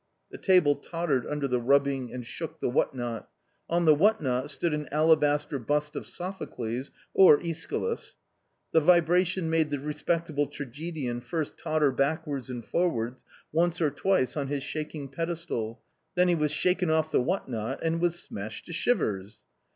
The ta ble tottered under the ru bbi ng an d shook the what not "Oh the what not stood an alaBaster bust of Sophocles, or'iEschylus." The vibrailttrT made the respectable tragedian . first totter backwards and forwards once or twice on his I shaking pedestal ; then he was shaken off the what not, and V was smashed to shivers.